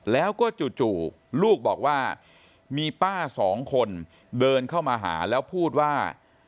แล้วก็จู่ลูกบอกว่ามีป้าสองคนเดินเข้ามาหาแล้วพูดว่า